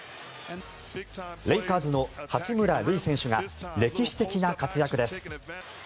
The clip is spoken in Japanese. レイカーズの八村塁選手が歴史的な活躍です。